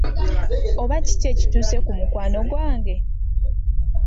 Oba kiki ekituuse ku mukwano gwange?